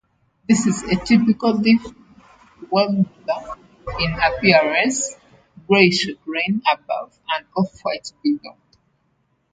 This is a typical leaf warbler in appearance, greyish-green above and off-white below.